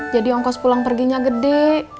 jadi ongkos pulang perginya gede